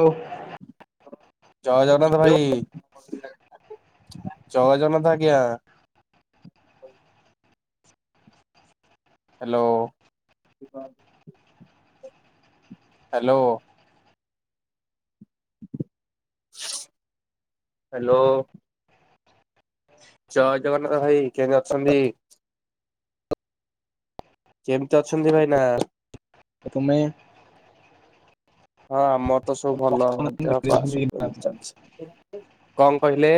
ହଉ ଜୟ ଜଗନ୍ନାଥ ହ୍ୟାଲୋ। ଭାଇ। ଜୟ ଜଗନ୍ନାଥ ଆଜ୍ଞା। Hello hello. ହ୍ୟାଲୋ। ଜୟ ଜଗନ୍ନାଥ ଭାଇ କେମିତି ଅଛନ୍ତି? କେମିତି ଅଛନ୍ତି ଭାଇନା? ଆଉ ତୁମେ? ହଁ ଆମର ତ ସବୁ କଣ ଭଲ କଣ କଲଣି? ହ୍ୟାଲୋ। ଦେହପା ସବୁ ଏମତି ଚାଲିଚି। କଣ କହିଲେ?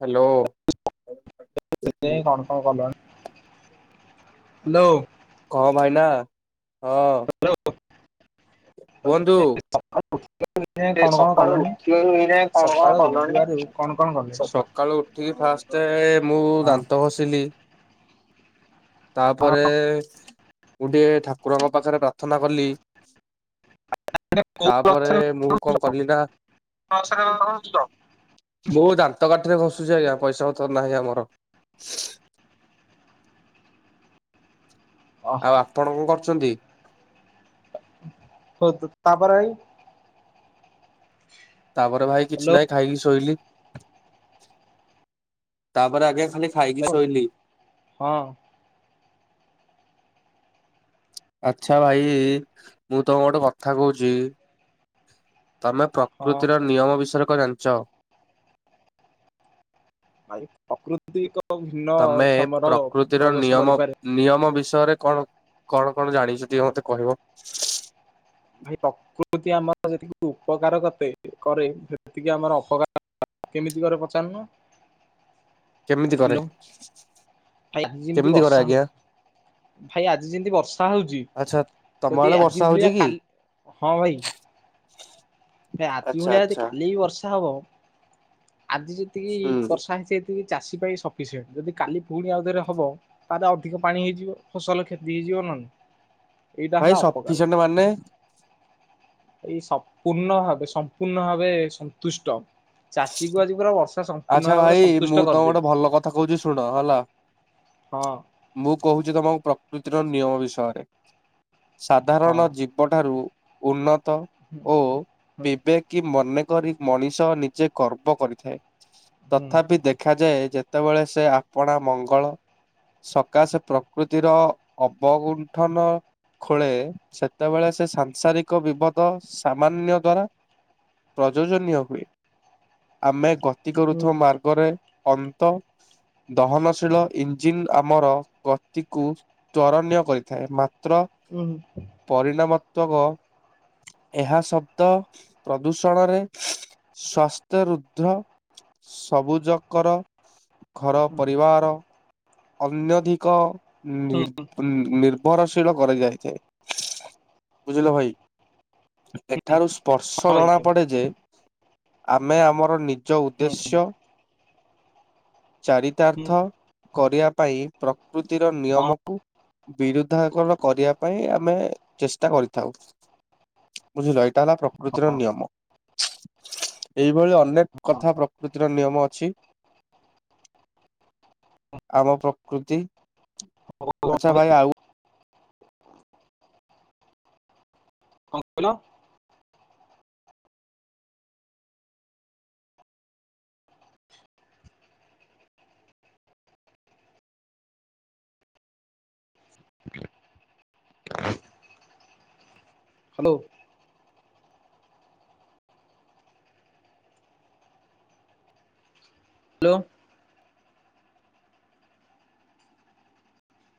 ହ୍ୟାଲୋ। [unintelligible] କଣ [unintelligible] କଲଣି। ହ୍ୟାଲୋ। କଣ ଭାଇନା? ହଁ। ହ୍ୟାଲୋ। କୁହନ୍ତୁ। ଏ କଣ କଣ ସକାଳୁ କଲଣି ଉଠିବା [unintelligible] ଏଇନାଇ କଣ କଣ ସକାଳୁ କଲଣି ନା? ଉଠିବାରୁ କଣ କଣ କଲେଣି? ସ ସକାଳୁ ଉଠିକି ଫାଷ୍ଟେ ମୁଁ ହଁ। ଦାନ୍ତ ଘଷିଲି। ତାପରେ ମୁଁ ଟିକେ ଠାକୁରଙ୍କ ପାଖରେ ପ୍ରାର୍ଥନା କଲି। [inaudible] ତାପରେ ମୁଁ କଣ କଲିି ନା ମୁଁ ଦାନ୍ତ କାଠିରେ ଘସୁଛି ଆଜ୍ଞା ପଇସା ପତ୍ର ନାହିଁ ଆମର। ଆଉ ଆପଣ କଣ କରୁଛନ୍ତି? କୁହନ୍ତୁ ତାପରେ ଭାଇ। ତାପରେ ଭାଇ କିଛି ହ୍ୟାଲୋ ନାହିଁ ଖାଇକି ଶୋଇଲି ତାପରେ ଆଜ୍ଞା ଖାଲି ଖାଇକି ଶୋଇଲି। ହଁ। ଆଚ୍ଛା ଭାଇ ମୁଁ ତମକୁ ଗୋଟେ କଥା କହୁଛି ତମେ ହଁ। ପ୍ରକୃତିର ନିୟମ ବିଷୟରେ କଣ ଜାଣିଛ? ଭାଇ ପ୍ରକୃତି ଏକ ଭିନ୍ନ ତମେ କ୍ଷମ ର ପ୍ରକୃତିର ପ୍ରଦର୍ଶନ ନିୟମ କରିପାରେ। ନିୟମ ବିଷୟରେ କଣ କଣ କଣ ଜାଣିଛ ଟିକେ ମତେ କହିବ। ଭାଇ ପ୍ରକୃତି ଆମର ଯେତିକି ଉପକାର କରେ ସେତିକି ଆମର ଅପକାର [unintelligible] କେମିତି କରେ ପଚାରନୁ। କେମିତି କରେ ହାଲୋ ଭାଇ ଆଜି ଯେମିତି କେମିତି କରେ ବର୍ଷା ଆଜ୍ଞା? ହଉଛି ଭାଇ ଆଜି ଯେମିତି ବର୍ଷା ହଉଛି ଆଚ୍ଛା ତମ ଯଦି ଆଡେ ବର୍ଷା ଆଜି ହଉଛି ଭଳିଆ କି? କାଲି ହଁ ଭାଇ [inaudible] ହେ ଆଜି ଆଚ୍ଛା ଭଳିଆ ଯଦି ଆଚ୍ଛା କାଲି ବି ବର୍ଷା ହବ ଆଜି ଯେତିକି ହୁଁ ବର୍ଷା ହେଇଛି ସେତିକି ଚାଷୀ ପାଇଁ ସଫିଶେଣ୍ଟ ଯଦି କାଲି ପୁଣି ଆଉଥରେ ହବ ତାହେଲେ ଅଧିକ ପାଣି ହେଇଯିବ ଫସଲ କ୍ଷତି ହେଇଯିବ ନହେଲେ ଏଇଟା ଭାଇ ହେଲା ଅପକାର। ସଫିସିଏଣ୍ଟ ମାନେ ଏଇ ସମ୍ପୂର୍ଣ୍ଣ ଭାବେ ସମ୍ପୂର୍ଣ୍ଣ ଭାବେ ସନ୍ତୁଷ୍ଟ ଚାଷୀକୁ ଆଜି ପୁରା ବର୍ଷା ସମ୍ପୂର୍ଣ୍ଣ ଆଚ୍ଛା ଭାବରେ ଭାଇ ସନ୍ତୁଷ୍ଟ ମୁଁ ତମକୁ ଗୋଟେ କରିଦେଇଛି ଭଲ କଥା କହୁଛି ଶୁଣ ହେଲା। ହଁ। ମୁଁ କହୁଛି ତମକୁ ପ୍ରକୃତିର ନିୟମ ବିଷୟରେ ହଁ। ସାଧାରଣ ଜୀବ ଜୀବଠାରୁ ଉନ୍ନତ ଓ ହୁଁ ବିବେକ୍ କି ମନେକରି ମଣିଷ ନିଜେ ଗର୍ବ କରିଥାଏ ହୁଁ ତଥାପି ଦେଖ ଦେଖାଯାଏ ଯେତେବେଳେ ସେ ଆପଣା ମଙ୍ଗଳ ସକାସେ ପ୍ରକୃତିର ଅବଗୁଣ୍ଠନ ଖୋଳେ ସେତେବେଳେ ସେ ସାଂସାରିକ ବିପଦ ସାମାନ୍ୟ ଦ୍ଵାରା ପ୍ରଯୋଜନୀୟ ହୁଏ ଆମେ ଗ ଗତି ହୁଁ କରୁଥିବା ମାର୍ଗରେ ଅନ୍ତ ଦହନଶୀଳ ଇ ଜିନ୍ ଆମର ଗତିକୁ ତ୍ୱରନୀୟ କରିଥାଏ ମାତ୍ର ଉ, ହୁଁ। ପରିଣାମାତ୍ମକ ଏହା ଶବ୍ଦ ପ୍ରଦୂଷଣରେ ସ୍ୱାସ୍ଥ୍ୟ ରୁଦ୍ଧ ସବୁଜକର ଘର ପରିବାର ଅନ୍ୟଧିକ ନି ହୁଁ ନି ନିର୍ଭରଶୀଳ କରାଯାଇଥାଏ ବୁଝିଲ ଭାଇ। ଏଠାରୁ ସ୍ପର୍ଶ ଜଣା ପଡେ ଯେ ଆମେ ଆମର ନି ନିଜ ଉଦ୍ଦେଶ୍ୟ ହୁଁ ଚାରିତାର୍ଥ କରିବା ପାଇଁ ପ୍ରକୃତିର ହଁ ନିୟମକୁ ବିରୁଧାକରଣ କରିବା ପାଇଁ ଆମେ ଚେଷ୍ଟା କରିଥାଉ। ବୁଝିଲ ଏଇଟା ହେଲା ପ୍ରକୃତିର ନିୟମ ଏଇଭଳି ଅନେକ କଥା ପ୍ରକୃତିର ନିୟମ ଅଛି। ଆମ ପ୍ରକୃତି, ହଁ ଆଚ୍ଛା ଭାଇ ଆଉ କଁ କହିଲ? ହ୍ୟାଲୋ। ହ୍ୟାଲୋ।